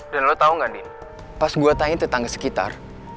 dan lo tau gak din pas gue tanya tetangga sekitar